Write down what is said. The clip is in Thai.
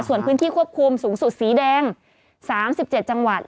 ส่วนพื้นที่ควบคุมสูงสุดสีแดง๓๗จังหวัด